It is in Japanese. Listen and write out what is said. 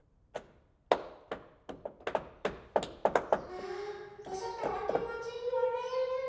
あおそとはきもちいいわね。